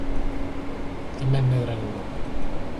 Tamén medra en Europa.